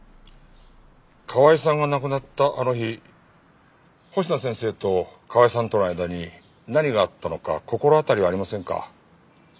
河合さんが亡くなったあの日星名先生と河合さんとの間に何があったのか心当たりはありませんか？